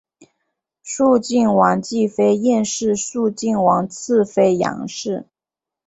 肃靖王继妃晏氏肃靖王次妃杨氏